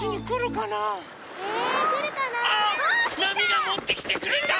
なみがもってきてくれた！